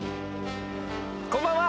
こんばんは。